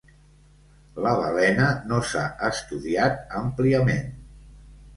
La balena no s'ha estudiat àmpliament.